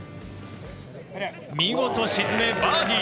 見事沈め、バーディー！